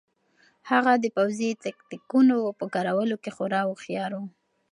هغه د پوځي تکتیکونو په کارولو کې خورا هوښیار و.